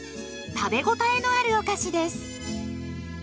食べ応えのあるお菓子です。